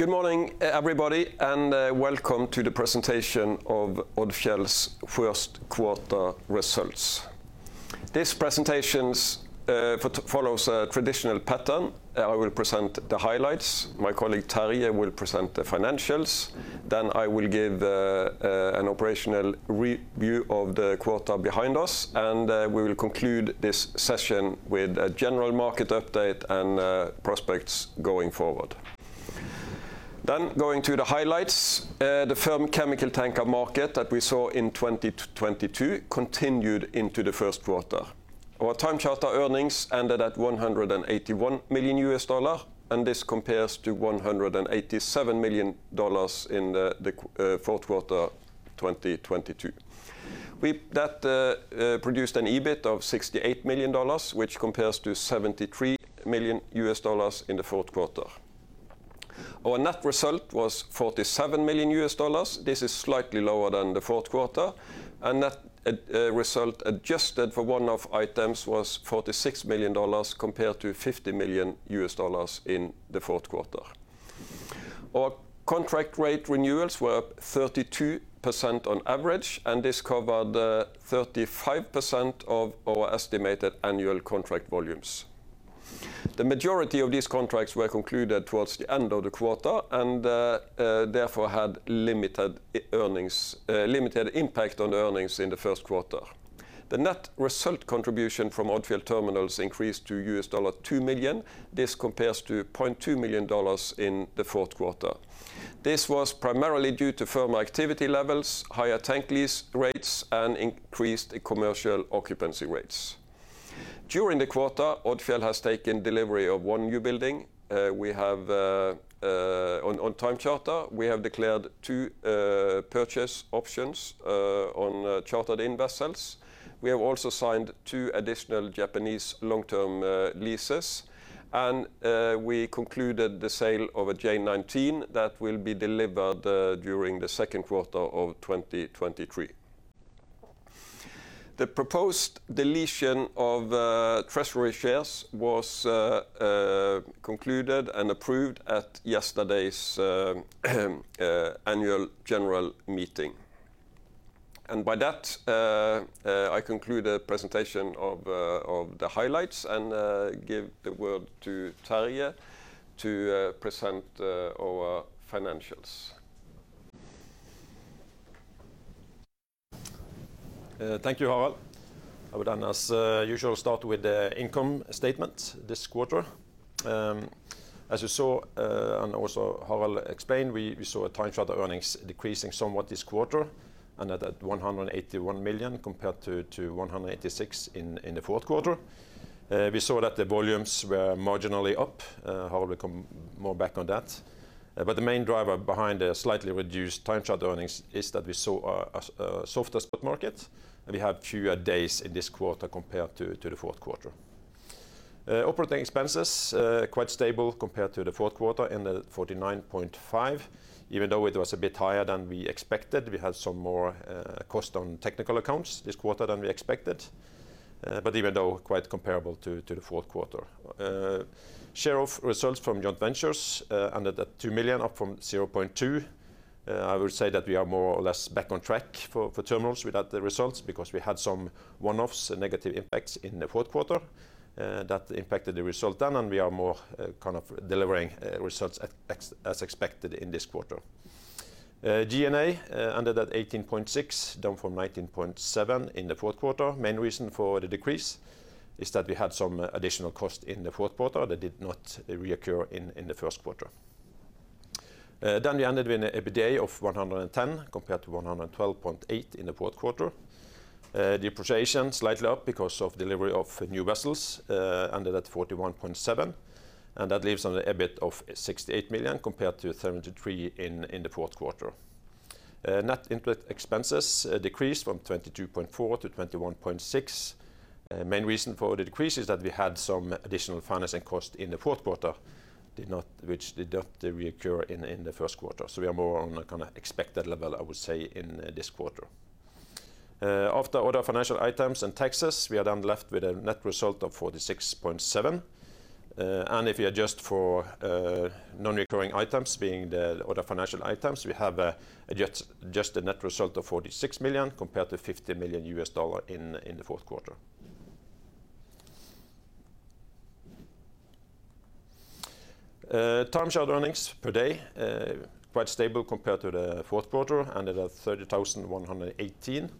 Good morning, everybody, and welcome to the presentation of Odfjell's first quarter results. This presentations follows a traditional pattern. I will present the highlights. My colleague, Terje, will present the financials. I will give an operational review of the quarter behind us, and we will conclude this session with a general market update and prospects going forward. Going to the highlights. The firm chemical tanker market that we saw in 2022 continued into the first quarter. Our time charter earnings ended at $181 million, and this compares to $187 million in the fourth quarter 2022. That produced an EBIT of $68 million, which compares to $73 million in the fourth quarter. Our net result was $47 million. This is slightly lower than the fourth quarter. That result, adjusted for one-off items, was $46 million, compared to $50 million in the fourth quarter. Our contract rate renewals were up 32% on average, and this covered 35% of our estimated annual contract volumes. The majority of these contracts were concluded towards the end of the quarter and therefore had limited impact on the earnings in the first quarter. The net result contribution from Odfjell Terminals increased to $2 million. This compares to $0.2 million in the fourth quarter. This was primarily due to firmer activity levels, higher tank lease rates, and increased commercial occupancy rates. During the quarter, Odfjell has taken delivery of one new building. We have on time charter, we have declared two purchase options on chartered-in vessels. We have also signed two additional Japanese long-term leases. We concluded the sale of a J19 that will be delivered during the second quarter of 2023. The proposed deletion of treasury shares was concluded and approved at yesterday's annual general meeting. By that, I conclude the presentation of the highlights and give the word to Terje to present our financials. Thank you, Harald. I would, as usual, start with the income statement this quarter. As you saw, and also Harald explained, we saw time charter earnings decreasing somewhat this quarter at $181 million compared to $186 in the fourth quarter. We saw that the volumes were marginally up. Harald will come more back on that. The main driver behind the slightly reduced time charter earnings is that we saw a softer spot market, and we had fewer days in this quarter compared to the fourth quarter. Operating expenses, quite stable compared to the fourth quarter, ended at $49.5. Even though it was a bit higher than we expected, we had some more cost on technical accounts this quarter than we expected, but even though quite comparable to the fourth quarter. Share of results from joint ventures ended at $2 million, up from $0.2. I would say that we are more or less back on track for terminals with that, the results, because we had some one-offs and negative impacts in the fourth quarter that impacted the result then, and we are more kind of delivering results as expected in this quarter. G&A ended at $18.6, down from $19.7 in the fourth quarter. Main reason for the decrease is that we had some additional cost in the fourth quarter that did not reoccur in the first quarter. We ended with an EBITDA of $110 million, compared to $112.8 million in the fourth quarter. Depreciation slightly up because of delivery of new vessels, ended at $41.7 million, and that leaves an EBIT of $68 million compared to $73 million in the fourth quarter. Net interest expenses decreased from $22.4 million to $21.6 million. Main reason for the decrease is that we had some additional financing costs in the fourth quarter, which did not reoccur in the first quarter. We are more on a kinda expected level, I would say, in this quarter. After other financial items and taxes, we are then left with a net result of $46.7 million. If you adjust for non-recurring items, being the other financial items, we have a net result of $46 million compared to $50 million in the fourth quarter. Time charter earnings per day, quite stable compared to the fourth quarter, ended at 30,118,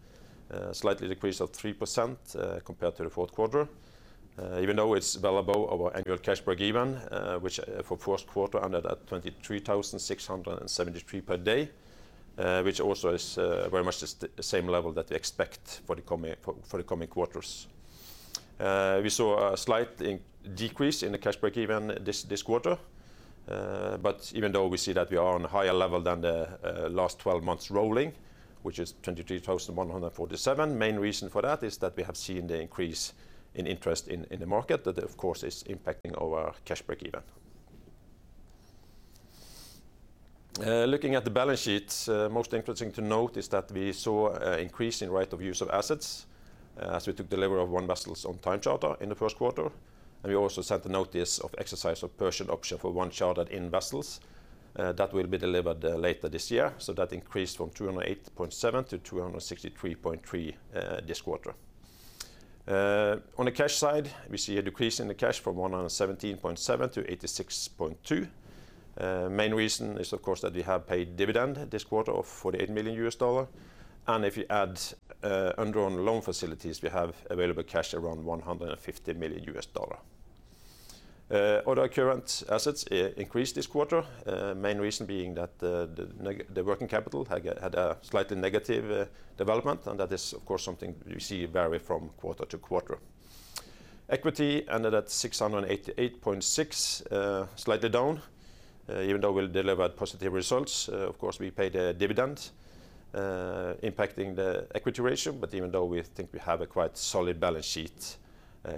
slightly decreased of 3% compared to the fourth quarter. Even though it's well above our annual cash break even, which for first quarter ended at 23,673 per day, which also is very much the same level that we expect for the coming quarters. We saw a slight in-decrease in the cash break-even this quarter, but even though we see that we are on a higher level than the last 12 months rolling, which is $23,147. Main reason for that is that we have seen the increase in interest in the market that, of course, is impacting our cash breakeven. Looking at the balance sheets, most interesting to note is that we saw a increase in right-of-use assets as we took delivery of one vessels on time charter in the first quarter, and we also sent a notice of exercise of purchase option for one chartered-in vessels that will be delivered later this year. That increased from $208.7 to $263.3 this quarter. On the cash side, we see a decrease in the cash from $117.7 to $86.2. Main reason is of course that we have paid dividend this quarter of $48 million. If you add undrawn loan facilities, we have available cash around $150 million. Other current assets increased this quarter, main reason being that the working capital had a slightly negative development. That is of course something we see vary from quarter to quarter. Equity ended at $688.6, slightly down. Even though we delivered positive results, of course we paid a dividend, impacting the equity ratio, but even though we think we have a quite solid balance sheet,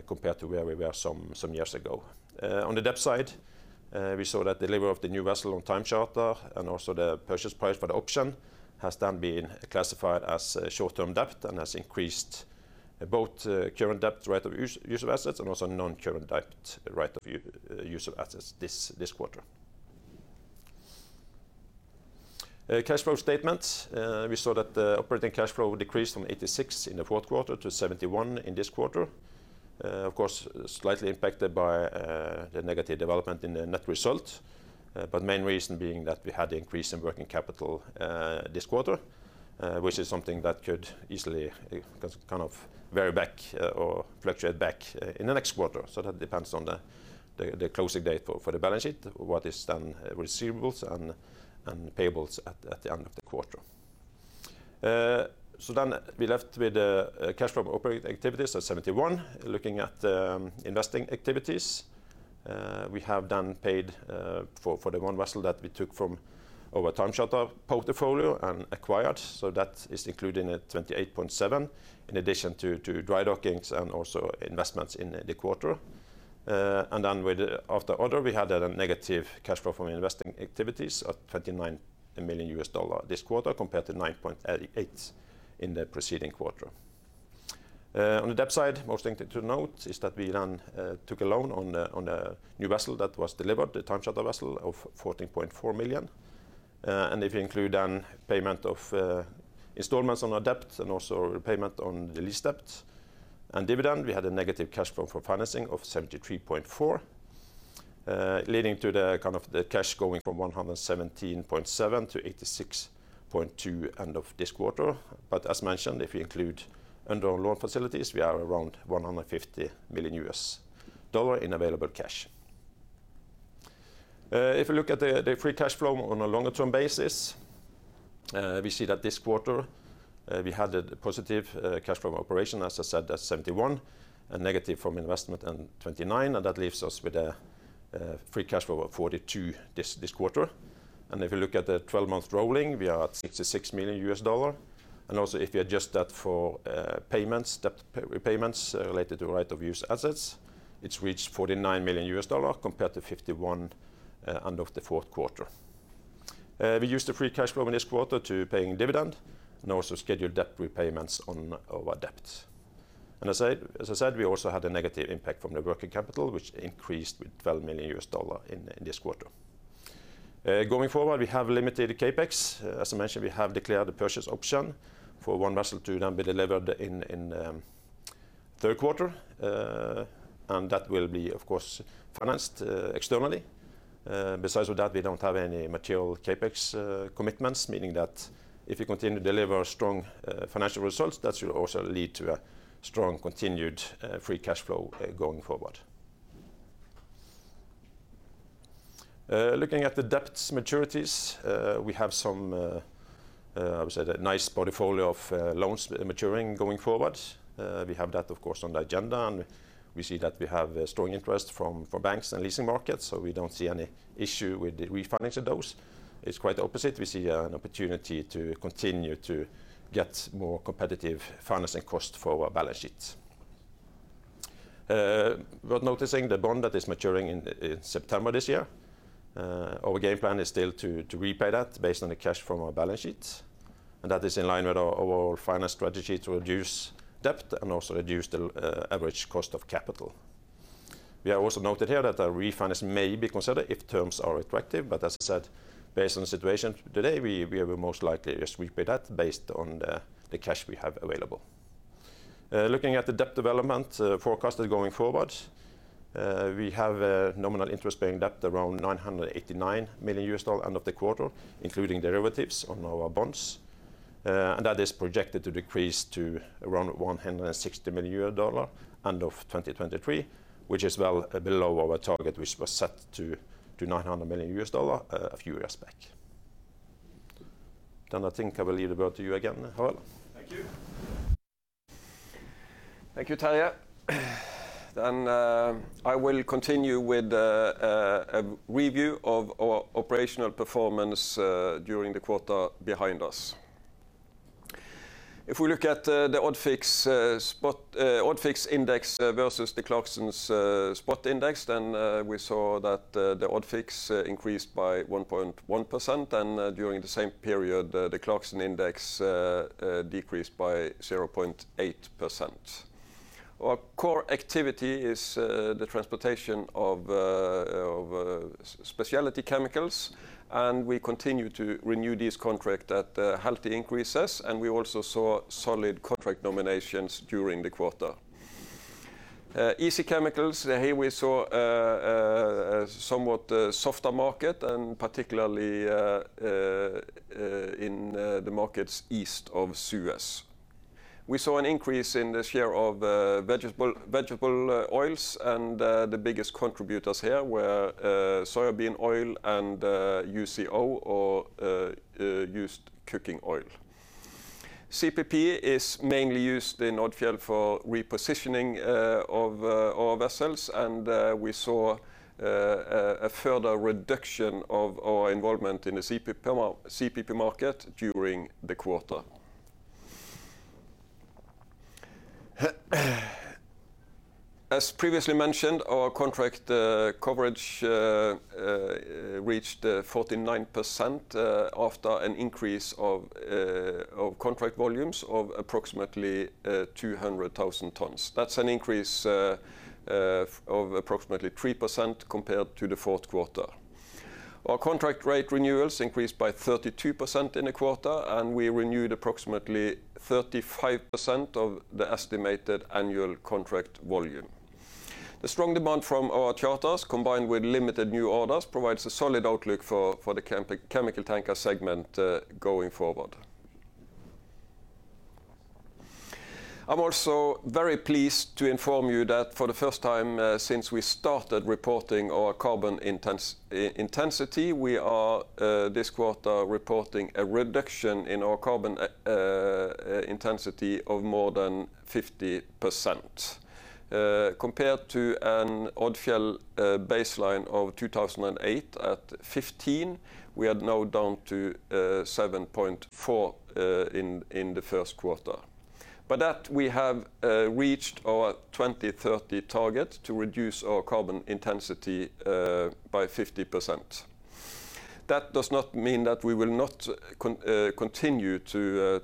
compared to where we were some years ago. On the debt side, we saw that delivery of the new vessel on time charter and also the purchase price for the option has then been classified as short-term debt and has increased both current debt right-of-use assets and also non-current debt right-of-use assets this quarter. Cash flow statement. We saw that the operating cash flow decreased from $86 in the fourth quarter to $71 in this quarter. Of course slightly impacted by the negative development in the net result, but main reason being that we had the increase in working capital this quarter, which is something that could easily kind of vary back or fluctuate back in the next quarter. That depends on the closing date for the balance sheet, what is then receivables and payables at the end of the quarter. Then we're left with the cash from operating activities at $71. Looking at investing activities, we have then paid for the one vessel that we took from our time charter portfolio and acquired. That is included in the $28.7 in addition to dry dockings and also investments in the quarter. And then with the. After other, we had a negative cash flow from investing activities of $29 million this quarter compared to $9.88 million in the preceding quarter. On the debt side, most thing to note is that we then took a loan on the new vessel that was delivered, the time charter vessel, of $14.4 million. And if you include then payment of installments on our debt and also repayment on the lease debt and dividend, we had a negative cash flow for financing of $73.4, leading to the kind of the cash going from $117.7 to $86.2 end of this quarter. As mentioned, if you include undrawn loan facilities, we are around $150 million in available cash. If you look at the free cash flow on a longer term basis, we see that this quarter we had a positive cash flow operation, as I said, that's $71, and negative from investment and $29, that leaves us with a free cash flow of $42 this quarter. If you look at the 12-month rolling, we are at $66 million. Also if you adjust that for payments, debt repayments related to right-of-use assets, it's reached $49 million compared to $51 million end of the fourth quarter. We used the free cash flow in this quarter to paying dividend and also scheduled debt repayments on our debt. As I said, we also had a negative impact from the working capital, which increased with $12 million in this quarter. Going forward, we have limited CapEx. As I mentioned, we have declared the purchase option for one vessel to then be delivered in third quarter. That will be, of course, financed externally. Besides that, we don't have any material CapEx commitments, meaning that if we continue to deliver strong financial results, that should also lead to a strong continued free cash flow going forward. Looking at the debt maturities, we have some, I would say a nice portfolio of loans maturing going forward. We have that of course on the agenda, and we see that we have a strong interest from banks and leasing markets, so we don't see any issue with refinancing those. It's quite the opposite. We see an opportunity to continue to get more competitive financing cost for our balance sheets. Worth noticing the bond that is maturing in September this year. Our game plan is still to repay that based on the cash from our balance sheets, and that is in line with our finance strategy to reduce debt and also reduce the average cost of capital. We have also noted here that a refinance may be considered if terms are attractive, but as I said, based on the situation today, we are most likely just repay that based on the cash we have available. Looking at the debt development, forecasted going forward, we have a nominal interest-bearing debt around $989 million end of the quarter, including derivatives on our bonds. That is projected to decrease to around $160 million end of 2023, which is well below our target, which was set to $900 million a few years back. I think I will leave the word to you again, Harald. Thank you. Thank you, Terje. I will continue with a review of our operational performance during the quarter behind us. If we look at the ODFIX Spot Index versus the Clarksons Spot Index, then we saw that the ODFIX increased by 1.1%, and during the same period, the Clarksons index decreased by 0.8%. Our core activity is the transportation of specialty chemicals, and we continue to renew this contract at healthy increases, and we also saw solid contract nominations during the quarter. Easy chemicals, here we saw a somewhat softer market and particularly in the markets east of Suez. We saw an increase in the share of vegetable oils and the biggest contributors here were soybean oil and UCO or used cooking oil. CPP is mainly used in Odfjell for repositioning of our vessels, and we saw a further reduction of our involvement in the CPP market during the quarter. As previously mentioned, our contract coverage reached 49% after an increase of contract volumes of approximately 200,000 tons. That's an increase of approximately 3% compared to the fourth quarter. Our contract rate renewals increased by 32% in the quarter, and we renewed approximately 35% of the estimated annual contract volume. The strong demand from our charters, combined with limited new orders, provides a solid outlook for the chemical tanker segment going forward. I'm also very pleased to inform you that for the first time, since we started reporting our carbon intensity, we are this quarter reporting a reduction in our carbon intensity of more than 50%. Compared to an Odfjell baseline of 2008 at 15, we are now down to 7.4 in the first quarter. By that, we have reached our 2030 target to reduce our carbon intensity by 50%. That does not mean that we will not continue to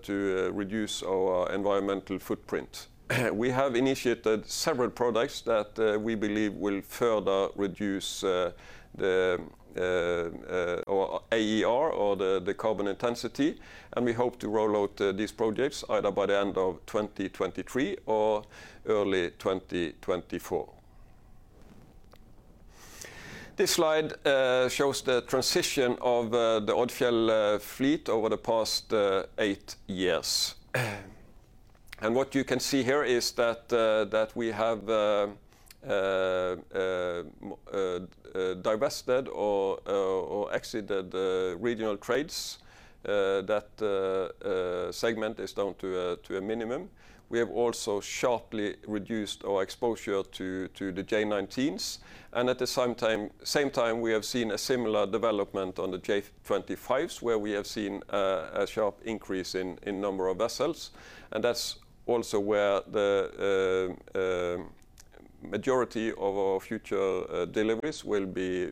reduce our environmental footprint. We have initiated several products that we believe will further reduce the our AER or the carbon intensity, and we hope to roll out these projects either by the end of 2023 or early 2024. This slide shows the transition of the Odfjell fleet over the past eight years. What you can see here is that we have divested or exited the regional trades that segment is down to a minimum. We have also sharply reduced our exposure to the J19s. At the same time, we have seen a similar development on the J25s, where we have seen a sharp increase in number of vessels. That's also where the majority of our future deliveries will be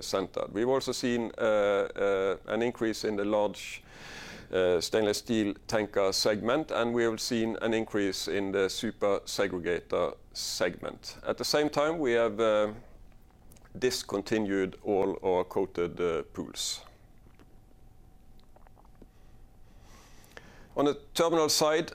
centered. We've also seen an increase in the large stainless steel tanker segment, and we have seen an increase in the super segregator segment. At the same time, we have discontinued all our coated pools. On the terminal side,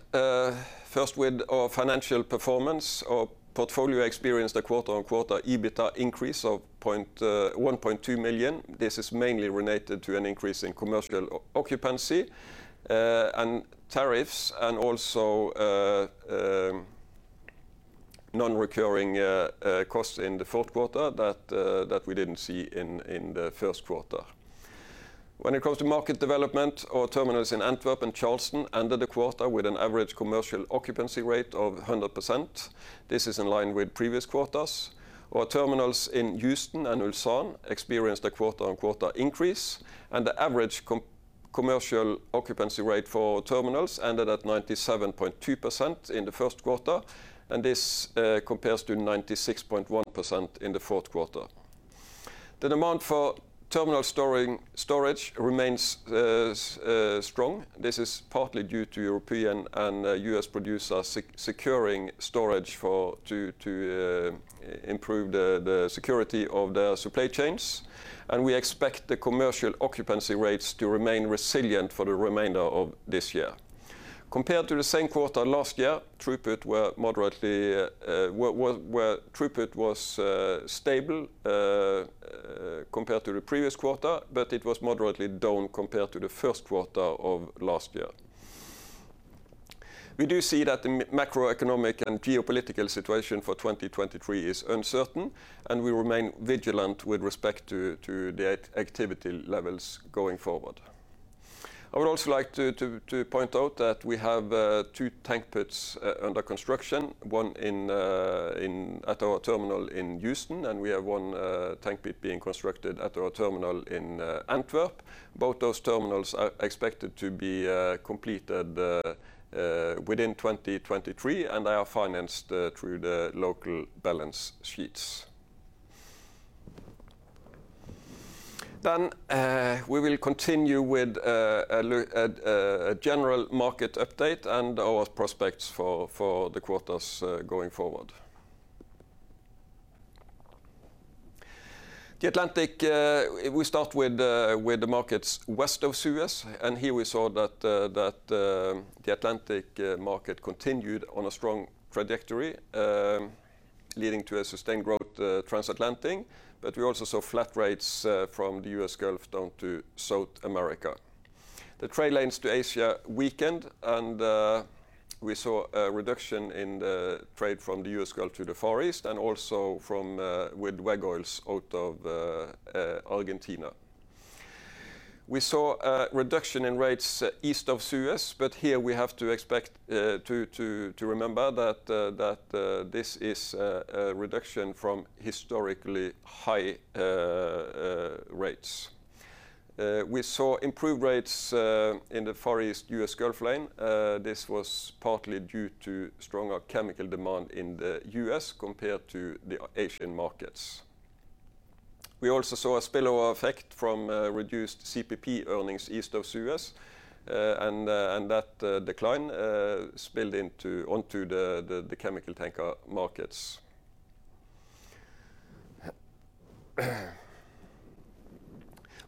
first with our financial performance, our portfolio experienced a quarter-on-quarter EBITDA increase of $1.2 million. This is mainly related to an increase in commercial occupancy and tariffs, and also non-recurring costs in the fourth quarter that we didn't see in the first quarter. When it comes to market development, our terminals in Antwerp and Charleston ended the quarter with an average commercial occupancy rate of 100%. This is in line with previous quarters. Our terminals in Houston and Ulsan experienced a quarter-on-quarter increase, and the average commercial occupancy rate for terminals ended at 97.2% in the first quarter, and this compares to 96.1% in the fourth quarter. The demand for terminal storage remains strong. This is partly due to European and US producers securing storage to improve the security of their supply chains. We expect the commercial occupancy rates to remain resilient for the remainder of this year. Compared to the same quarter last year, throughput was stable compared to the previous quarter, but it was moderately down compared to the first quarter of last year. We do see that the macroeconomic and geopolitical situation for 2023 is uncertain, and we remain vigilant with respect to the activity levels going forward. I would also like to point out that we have two tank pits under construction, one at our terminal in Houston, and we have one tank pit being constructed at our terminal in Antwerp. Both those terminals are expected to be completed within 2023, and they are financed through the local balance sheets. We will continue with a general market update and our prospects for the quarters going forward. The Atlantic, we start with the markets west of Suez, and here we saw that the Atlantic market continued on a strong trajectory, leading to a sustained growth trans-Atlantic. We also saw flat rates from the US Gulf down to South America. The trade lanes to Asia weakened, and we saw a reduction in the trade from the US Gulf to the Far East and also with veg oils out of Argentina. We saw a reduction in rates east of Suez, but here we have to remember that this is a reduction from historically high rates. We saw improved rates in the Far East US Gulf lane. This was partly due to stronger chemical demand in the US compared to the Asian markets. We also saw a spillover effect from reduced CPP earnings east of Suez, and that decline spilled onto the chemical tanker markets.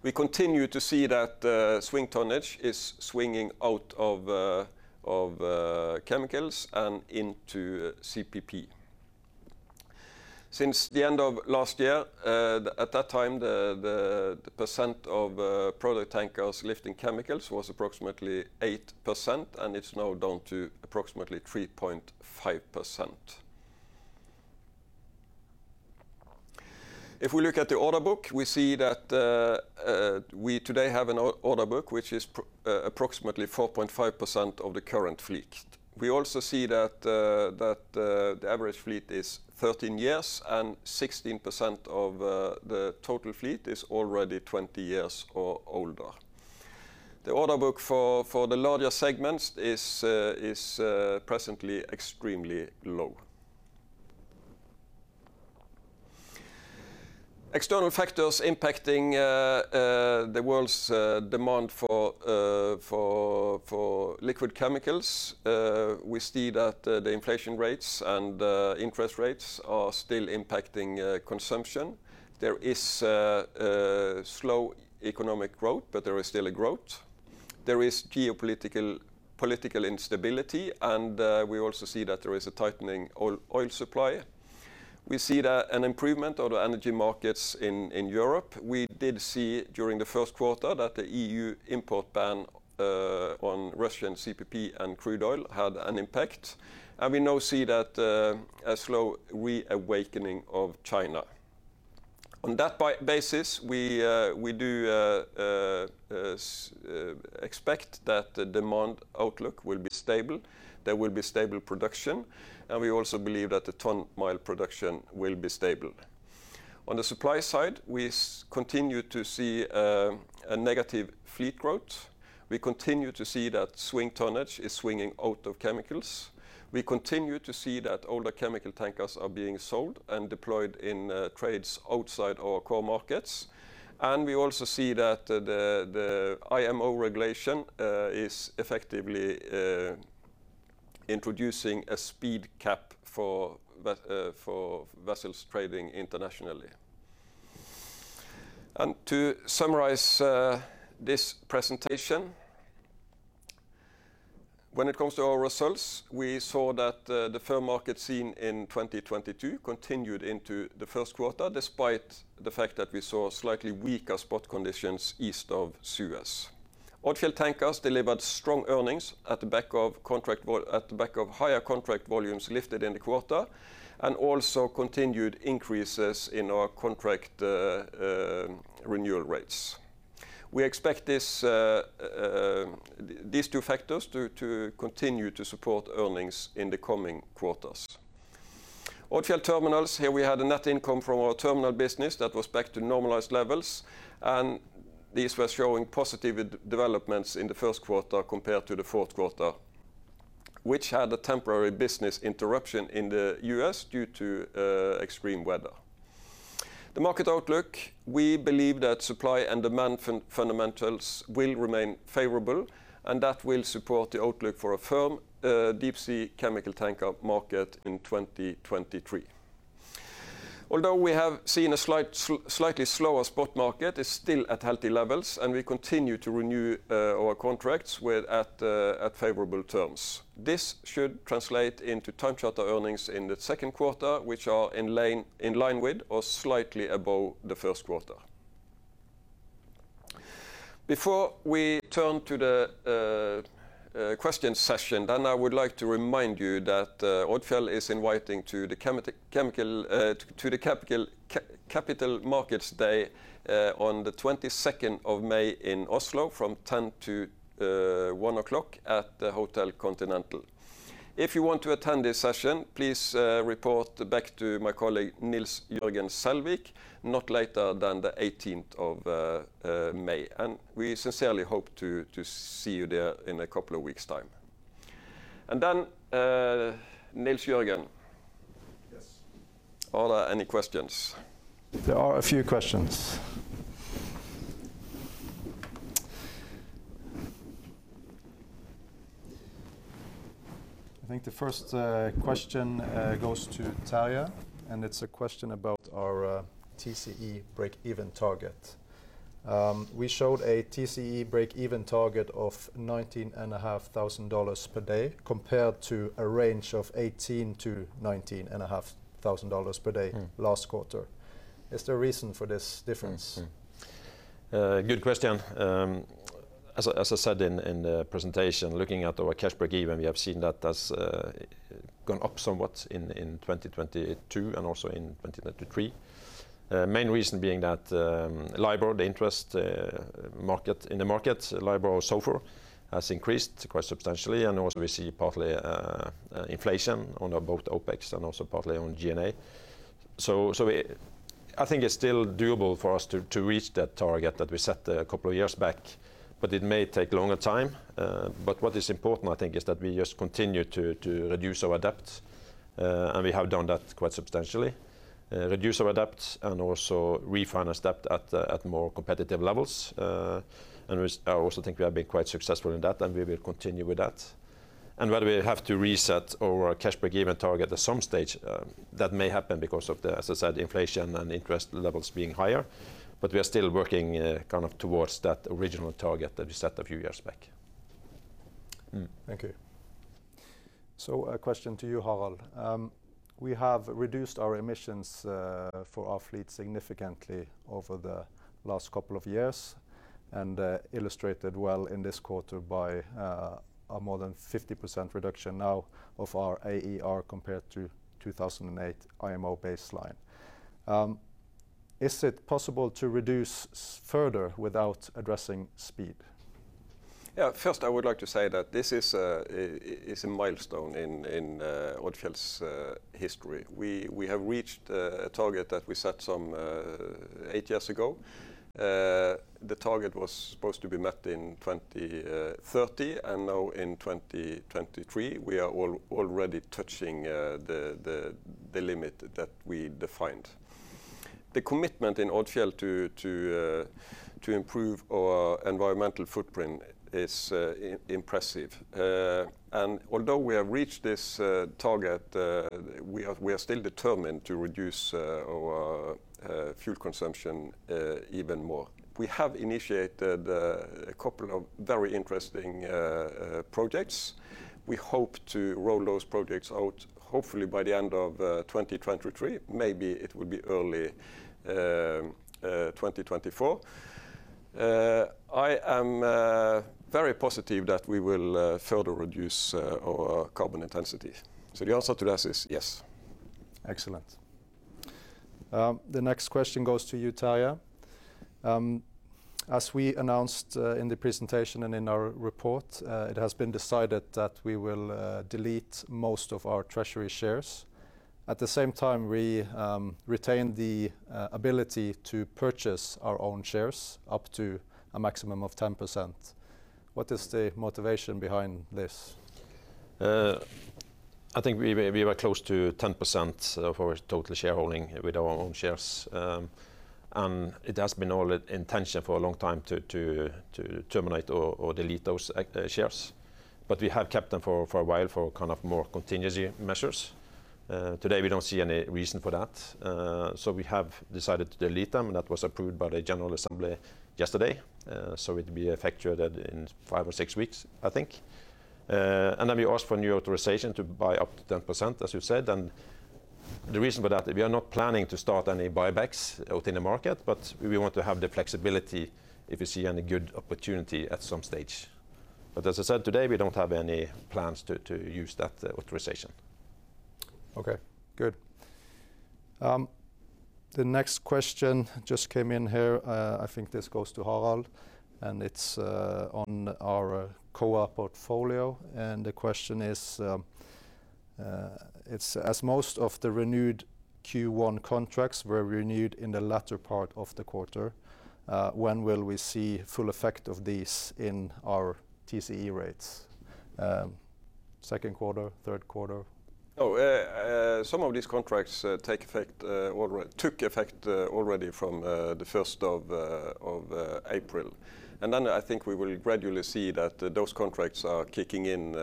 We continue to see that swing tonnage is swinging out of chemicals and into CPP. Since the end of last year, at that time, the percent of product tankers lifting chemicals was approximately 8%, and it's now down to approximately 3.5%. If we look at the order book, we see that we today have an order book which is approximately 4.5% of the current fleet. We also see that the average fleet is 13 years, and 16% of the total fleet is already 20 years or older. The order book for the larger segments is presently extremely low. External factors impacting the world's demand for liquid chemicals, we see that the inflation rates and interest rates are still impacting consumption. There is slow economic growth, but there is still a growth. There is geopolitical instability, and we also see that there is a tightening oil supply. We see that an improvement of the energy markets in Europe, we did see during the first quarter that the EU import ban on Russian CPP and crude oil had an impact. We now see that a slow reawakening of China. On that basis, we do expect that the demand outlook will be stable, there will be stable production, and we also believe that the ton-mile production will be stable. On the supply side, we continue to see, a negative fleet growth. We continue to see that swing tonnage is swinging out of chemicals. We continue to see that older chemical tankers are being sold and deployed in, trades outside our core markets. We also see that the IMO regulation, is effectively, introducing a speed cap for vessels trading internationally. To summarize, this presentation, when it comes to our results, we saw that, the firm market seen in 2022 continued into the first quarter, despite the fact that we saw slightly weaker spot conditions east of Suez. Odfjell Tankers delivered strong earnings at the back of higher contract volumes lifted in the quarter and also continued increases in our contract renewal rates. We expect these two factors to continue to support earnings in the coming quarters. Odfjell Terminals, here we had a net income from our terminal business that was back to normalized levels. These were showing positive developments in the first quarter compared to the fourth quarter, which had a temporary business interruption in the US due to extreme weather. The market outlook, we believe that supply and demand fundamentals will remain favorable, and that will support the outlook for a firm deep sea chemical tanker market in 2023. We have seen a slightly slower spot market, it's still at healthy levels, and we continue to renew our contracts with at favorable terms. This should translate into time charter earnings in the second quarter, which are in line with or slightly above the first quarter. Before we turn to the... Question session, then I would like to remind you that Odfjell is inviting to the chemical, to the capital markets day, on the 22nd of May in Oslo from 10:00 AM to 1:00 PM at the Hotel Continental. If you want to attend this session, please report back to my colleague, Nils Jørgen Selvik, not later than the 18th of May. We sincerely hope to see you there in a couple of weeks time. Then, Nils Jørgen. Yes. Are there any questions? There are a few questions. I think the first question goes to Terje, and it's a question about our TCE breakeven target. We showed a TCE breakeven target of $19,500 per day compared to a range of $18,000-$19,500 per day. Mm last quarter. Is there a reason for this difference? Good question. As I said in the presentation, looking at our cash breakeven, we have seen that as gone up somewhat in 2022 and also in 2023. Main reason being that LIBOR, the interest market, in the market, LIBOR-SOFR, has increased quite substantially. We see partly inflation on both OpEx and also partly on G&A. I think it's still doable for us to reach that target that we set a couple of years back, but it may take a longer time. What is important, I think, is that we just continue to reduce our debt, and we have done that quite substantially. Reduce our debt and also refinance debt at more competitive levels. We, I also think we have been quite successful in that, and we will continue with that. Whether we have to reset our cash breakeven target at some stage, that may happen because of the, as I said, inflation and interest levels being higher, but we are still working kind of towards that original target that we set a few years back. Thank you. A question to you, Harald. We have reduced our emissions for our fleet significantly over the last couple of years, and illustrated well in this quarter by a more than 50% reduction now of our AER compared to 2008 IMO baseline. Is it possible to reduce further without addressing speed? First I would like to say that this is a milestone in Odfjell's history. We have reached a target that we set some eight years ago. The target was supposed to be met in 2030, now in 2023, we are already touching the limit that we defined. The commitment in Odfjell to improve our environmental footprint is impressive. Although we have reached this target, we are still determined to reduce our fuel consumption even more. We have initiated a couple of very interesting projects. We hope to roll those projects out hopefully by the end of 2023. Maybe it would be early 2024. I am very positive that we will further reduce our carbon intensity. The answer to that is yes. Excellent. The next question goes to you, Terje. As we announced in the presentation and in our report, it has been decided that we will delete most of our treasury shares. At the same time, we retain the ability to purchase our own shares up to a maximum of 10%. What is the motivation behind this? I think we were close to 10% of our total shareholding with our own shares. It has been our intention for a long time to terminate or delete those shares. We have kept them for a while for kind of more contingency measures. Today we don't see any reason for that. We have decided to delete them, and that was approved by the general assembly yesterday. It will be effectuated in five or six weeks, I think. We asked for a new authorization to buy up to 10%, as you said. The reason for that, we are not planning to start any buybacks out in the market, but we want to have the flexibility if we see any good opportunity at some stage. As I said today, we don't have any plans to use that authorization. Okay. Good. The next question just came in here. I think this goes to Harald, and it's on our COA portfolio. The question is, as most of the renewed Q1 contracts were renewed in the latter part of the quarter, when will we see full effect of these in our TCE rates? Second quarter, third quarter? some of these contracts take effect already, took effect already from the 1st of April. I think we will gradually see that those contracts are kicking in,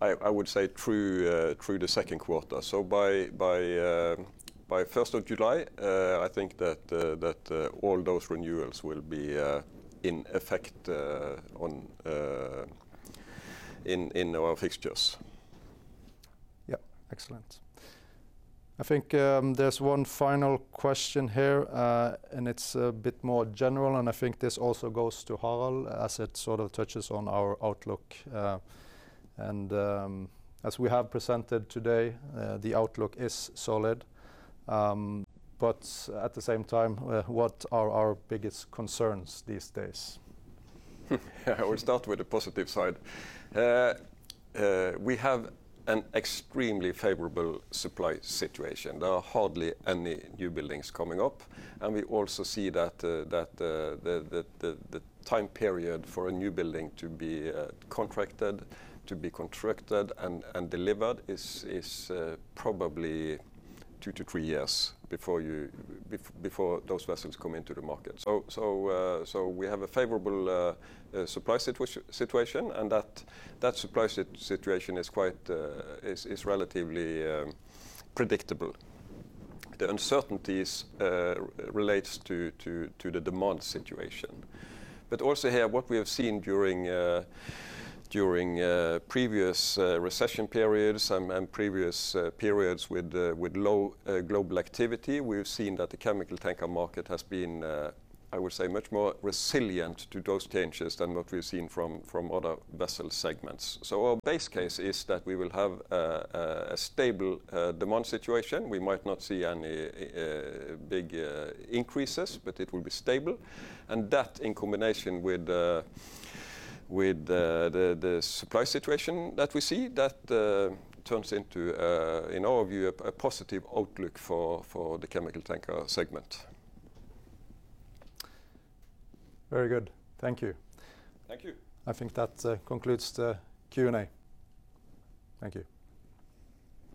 I would say through the second quarter. By 1st of July, I think that all those renewals will be in effect on in our fixtures. Yeah. Excellent. I think, there's one final question here. It's a bit more general, and I think this also goes to Harald as it sort of touches on our outlook. As we have presented today, the outlook is solid. At the same time, what are our biggest concerns these days? I will start with the positive side. We have an extremely favorable supply situation. There are hardly any new buildings coming up, and we also see that the time period for a new building to be contracted, to be constructed, and delivered is probably 2-3 years before those vessels come into the market. We have a favorable supply situation, and that supply situation is quite relatively predictable. The uncertainties relates to the demand situation. Also here, what we have seen during previous recession periods and previous periods with low global activity, we've seen that the chemical tanker market has been, I would say, much more resilient to those changes than what we've seen from other vessel segments. Our base case is that we will have a stable demand situation. We might not see any big increases, but it will be stable. That in combination with the supply situation that we see, that turns into in our view, a positive outlook for the chemical tanker segment. Very good. Thank you. Thank you. I think that concludes the Q&A. Thank you.